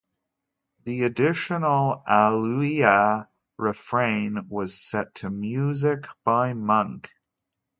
The additional "Alleluia" refrain was set to music by Monk.